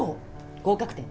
合格点？